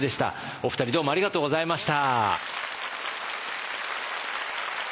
お二人どうもありがとうございました。